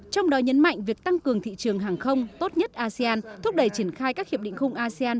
trong đó nhấn mạnh việc tăng cường thị trường hàng không tốt nhất asean thúc đẩy triển khai các hiệp định khung asean